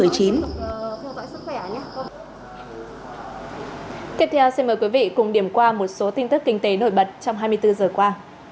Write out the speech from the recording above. tiếp theo xin mời quý vị cùng điểm qua một số tin tức kinh tế nổi bật trong hai mươi bốn giờ qua